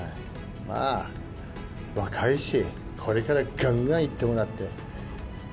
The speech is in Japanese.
まあ、若いし、これからがんがんいってもらって。